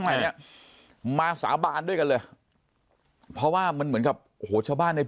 แล้วไปปล่อยทิ้งเอาไว้จนเด็กเนี่ย